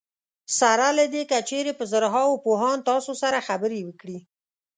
سره له دې که چېرې په زرهاوو پوهان تاسو سره خبرې وکړي.